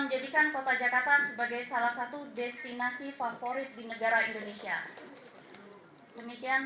tadi pertanyaan dari bapak dari mana rekaman rekaman